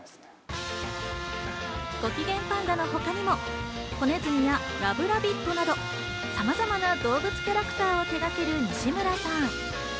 ごきげんぱんだのほかにも、こねずみやラブラビットなど、さまざまな動物キャラクターを手がける、にしむらさん。